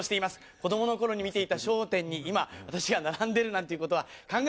子どもの頃に見ていた『笑点』に今私が並んでるなんていうことは考えられません。